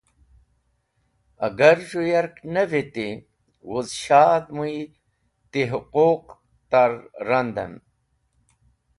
Agar z̃hũ yark ne viti, wuz shadh mũy ti huquq ta’r randem.